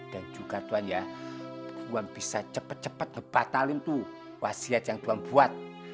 dan juga tuan ya tuan bisa cepat cepat ngebatalin tuh wasiat yang tuan buat